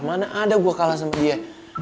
mana ada gua kalah sama dia